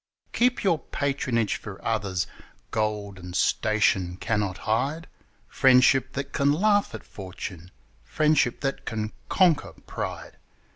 Keep your patronage for others! Gold and station cannot hide Friendship that can laugh at fortune, friendship that can conquer pride!